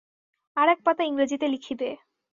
আর এক পাতা ইংরেজীতে লিখিবে।